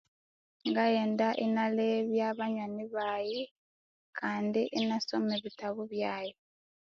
Ngaghenda inalebya banywani bayi kandi inasoma ebitabu byayi